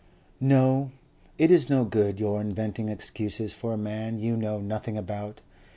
"No. It is no good your inventing excuses for a man you know nothing about.